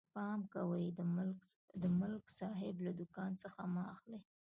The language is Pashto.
پام کوئ، د ملک صاحب له دوکان څه مه اخلئ.